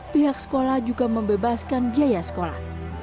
pihak sekolah juga membebaskan biaya sekolah